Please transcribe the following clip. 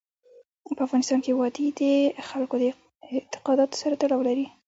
په افغانستان کې وادي د خلکو د اعتقاداتو سره تړاو لري.